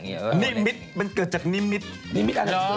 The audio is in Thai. นิมิตมันเกิดจากนิมิต